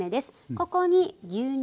ここに牛乳。